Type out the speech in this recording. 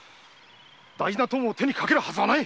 大事な友を手に掛けるはずはない！